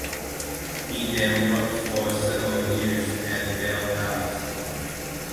He then worked for several years at Bell Labs.